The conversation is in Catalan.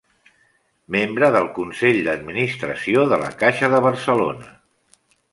Membre del Consell d'Administració de la Caixa de Barcelona.